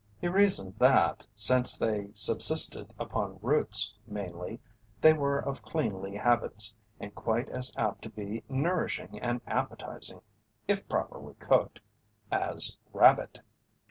He reasoned that since they subsisted upon roots mainly, they were of cleanly habits and quite as apt to be nourishing and appetizing, if properly cooked, as rabbit.